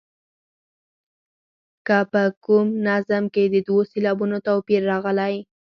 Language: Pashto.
که په کوم نظم کې د دوو سېلابونو توپیر راغلی.